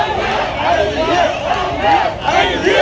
เฮียเฮียเฮีย